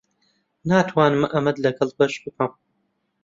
ناتوانم ئەمەت لەگەڵ بەش بکەم.